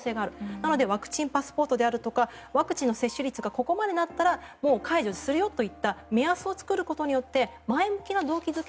なのでワクチンパスポートであったりとかワクチンの接種率がここまでになったらもう解除するよといった目安を作ることによって前向きな動機付け